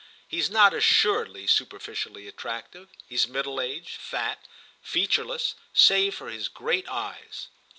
He's not, assuredly, superficially attractive; he's middle aged, fat, featureless save for his great eyes."